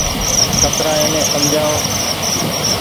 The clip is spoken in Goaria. ڪترآ ايني سمجهآئو۔